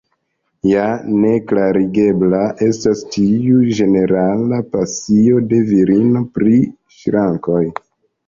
Ja ne klarigebla estas tiu ĝenerala pasio de virino pri ŝrankoj.